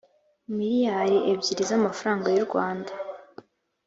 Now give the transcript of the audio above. miriyari ebyiri z amafaranga y u rwanda